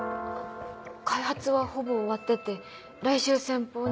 開発はほぼ終わってて来週先方にプレゼンが。